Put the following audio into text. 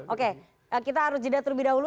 oke kita harus jeda terlebih dahulu